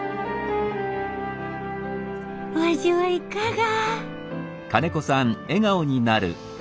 お味はいかが？